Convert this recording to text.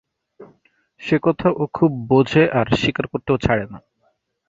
সে কথা ও খুব বোঝে আর স্বীকার করতেও ছাড়ে না।